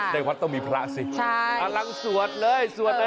ในวัดต้องมีพระสิกำลังสวดเลยสวดเลย